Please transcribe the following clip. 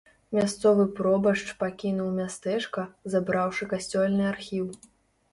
Мясцовы пробашч пакінуў мястэчка, забраўшы касцёльны архіў.